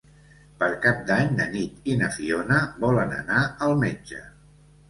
Per Cap d'Any na Nit i na Fiona volen anar al metge.